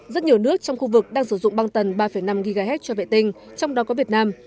rất nhiều nước trong khu vực đang sử dụng băng tần ba năm ghz cho vệ tinh trong đó có việt nam